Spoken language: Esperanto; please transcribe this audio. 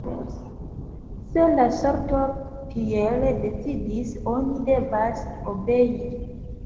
Se la sorto tiel decidis, oni devas obei!